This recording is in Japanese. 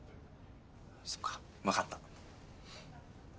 そっか分かった。